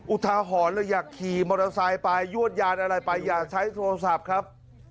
อุทาหรณ์เลยอยากขี่มอเตอร์ไซค์ไปยวดยานอะไรไปอย่าใช้โทรศัพท์ครับ